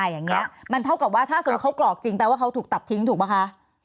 อย่างนี้มันเท่ากับว่าถ้าสมมุติเขากรอกจริงแปลว่าเขาถูกตัดทิ้งถูกป่ะคะ